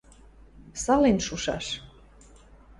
Сален шушаш.